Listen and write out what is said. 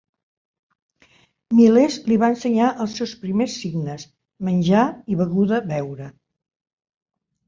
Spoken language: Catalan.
Miles li va ensenyar els seus primers signes, "menjar" i "beguda-beure".